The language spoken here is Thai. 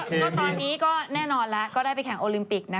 ก็ตอนนี้ก็แน่นอนแล้วก็ได้ไปแข่งโอลิมปิกนะ